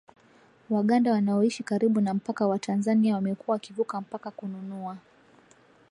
Waganda wanaoishi karibu na mpaka wa Tanzania wamekuwa wakivuka mpaka kununua